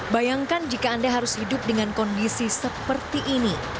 bayangkan jika anda harus hidup dengan kondisi seperti ini